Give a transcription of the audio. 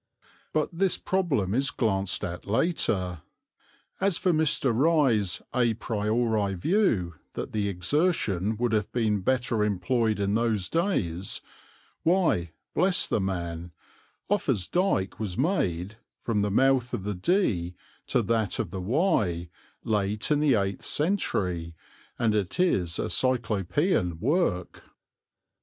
But this problem is glanced at later. As for Mr. Rye's à priori view that the exertion would have been better employed in those days, why, bless the man, Offa's Dyke was made, from the mouth of the Dee to that of the Wye, late in the eighth century, and it is a Cyclopean work.